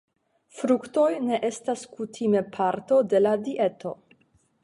Fruktoj ne estas kutime parto de la dieto.